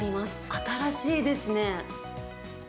新しいですね。